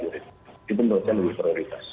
itu menurut saya lebih prioritas